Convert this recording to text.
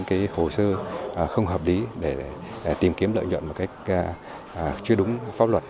thực sự không hợp lý để tìm kiếm lợi nhuận một cách chưa đúng pháp luật